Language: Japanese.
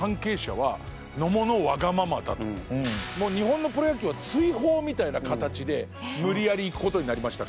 もう日本のプロ野球は追放みたいな形で無理やり行く事になりましたから。